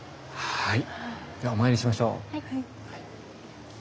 はい。